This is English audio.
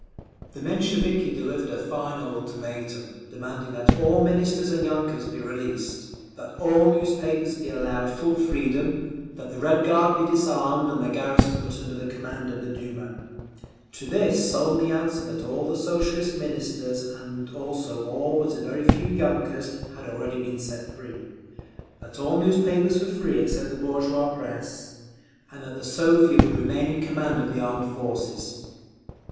_ The Mensheviki delivered a final ultimatum, demanding that all Ministers and yunkers be released, that all newspapers be allowed full freedom, that the Red Guard be disarmed and the garrison put under command of the Duma. To this Smolny answered that all the Socialist Ministers and also all but a very few yunkers had been already set free, that all newspapers were free except the bourgeois press, and that the Soviet would remain in command of the armed forces….